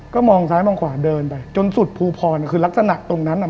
ก็มองซ้ายมองขวาเดินไปจนสุดภูพรคือลักษณะตรงนั้นอ่ะ